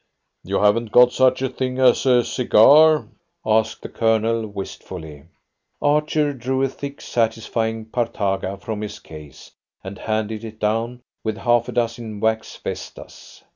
"You haven't got such a thing as a cigar?" asked the Colonel wistfully. Archer drew a thick satisfying partaga from his case, and handed it down, with half a dozen wax vestas.